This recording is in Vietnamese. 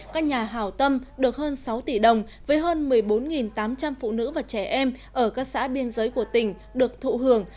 các nhà hào tâm được hơn sáu tỷ đồng với hơn một mươi bốn tám trăm linh phụ nữ và trẻ em ở các xã biên giới của tỉnh được thụ hưởng